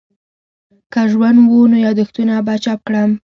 که ژوند وو نو یادښتونه به چاپ کړم.